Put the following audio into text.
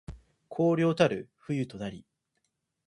荒涼たる冬となり